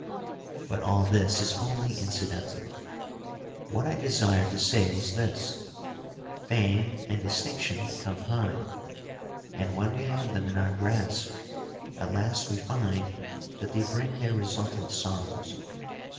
But all this is only incidental. What I desired to say was this: Fame and distinction come high, and when we have them in our grasp at last we find that they bring their resultant sorrows.